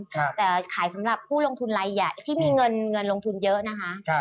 แต่ขายสำหรับผู้ลงทุนรายใหญ่ที่มีเงินเงินลงทุนเยอะนะคะ